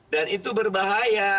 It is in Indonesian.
dan itu berbahaya